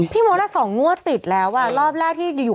พี่โมดหน้าสองโง่ติดแล้วรอบแรกที่อยู่